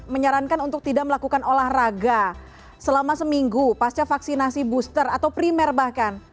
menyarankan untuk tidak melakukan olahraga selama seminggu pasca vaksinasi booster atau primer bahkan